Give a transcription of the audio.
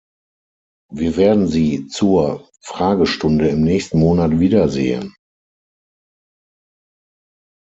Wir werden Sie zur Fragestunde im nächsten Monat wieder sehen.